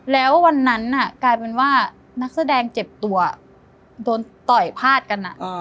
แล้ววันนั้นกลายเป็นว่านักแสดงเจ็บตัวโดนต่อยพาดกัน